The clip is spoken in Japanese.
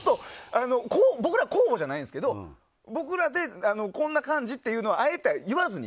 僕らの候補じゃないんですけど僕らでこんな感じっていうのをあえて言わずに。